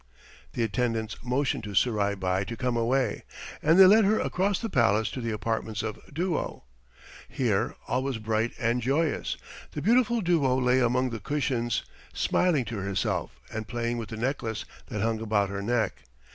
The attendants motioned to Surai Bai to come away, and they led her across the palace to the apartments of Duo. Here all was bright and joyous. The beautiful Duo lay among the cushions, smiling to herself and playing with the necklace that hung about her neck.